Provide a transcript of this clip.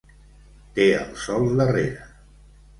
Té el sol darrera.